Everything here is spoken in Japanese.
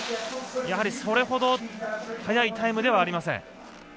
それほど速いタイムではありません。